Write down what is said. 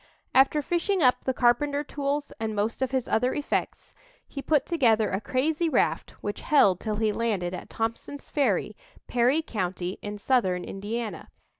After fishing up the carpenter tools and most of his other effects, he put together a crazy raft which held till he landed at Thompson's Ferry, Perry County, in Southern Indiana.